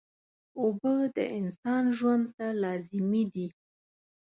اوبه د انسان ژوند ته لازمي دي